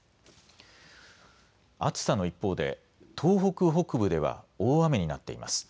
暑さの一方で東北北部では大雨になっています。